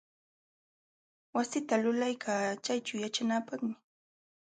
Wasita lulaykaa chayćhuu yaćhanaapaqmi.